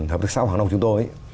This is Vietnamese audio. hợp thức xã hoàng long chúng tôi